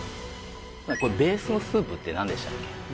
これベースのスープって何でしたっけ？